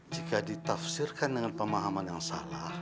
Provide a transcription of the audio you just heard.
jika ditafsirkan dengan pemahaman yang salah